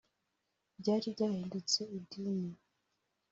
ryari ryahindutse idini